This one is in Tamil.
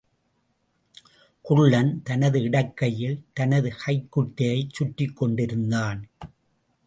குள்ளன் தனது இடக்கையில் தனது கைக்குட்டையைச் சுற்றிக்கொண்டிருந்தான்.